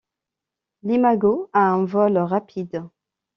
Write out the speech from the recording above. L'imago a un vol rapide.